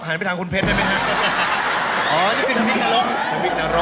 หันไปทางคุณเพชรได้ไหม